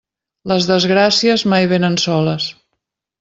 Les desgràcies, mai vénen soles.